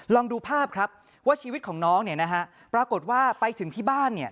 ลองดูภาพครับว่าชีวิตของน้องเนี่ยนะฮะปรากฏว่าไปถึงที่บ้านเนี่ย